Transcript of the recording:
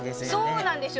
そうなんですよ。